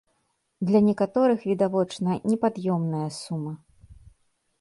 Для некаторых, відавочна, непад'ёмная сума.